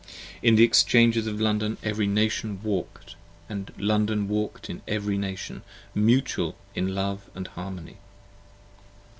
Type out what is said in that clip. In the Exchanges of London every Nation walk'd, And London walk'd in every Nation, mutual in love & harmony.